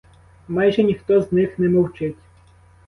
Майже ніхто з них не мовчить.